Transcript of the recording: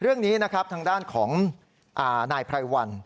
เรื่องนี้นะครับทางด้านของนายไพรวัน